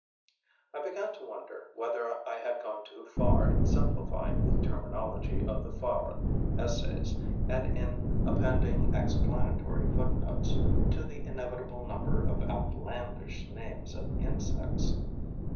I began to wonder whether I had gone too far in simplifying the terminology of the Fabre essays and in appending explanatory footnotes to the inevitable number of outlandish names of insects.